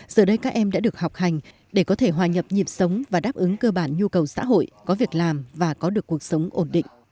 giờ đây các em đã được học hành để có thể hòa nhập nhịp sống và đáp ứng cơ bản nhu cầu xã hội có việc làm và có được cuộc sống ổn định